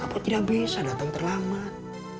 aku tidak bisa datang terlambat